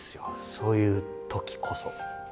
そういうときこそ。